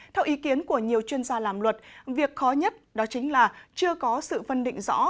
theo ý kiến của nhiều chuyên gia làm luật việc khó nhất đó chính là chưa có sự phân định rõ